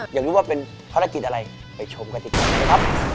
อยากรู้ว่าเป็นภารกิจอะไรไปชมกันดีกว่านะครับ